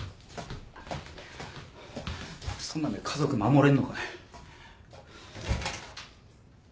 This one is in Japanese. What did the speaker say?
そんなんで家族守れんのかい。